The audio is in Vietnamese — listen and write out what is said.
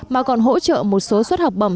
mà còn hỗ trợ một số xuất học bầm